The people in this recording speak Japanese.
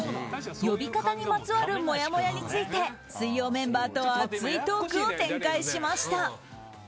呼び方にまつわるもやもやについて水曜メンバーと熱いトークを展開しました。